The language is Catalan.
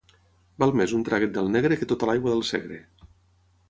Val més un traguet del negre que tota l'aigua del Segre.